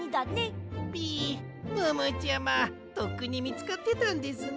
ピムームーちゃまとっくにみつかってたんですね。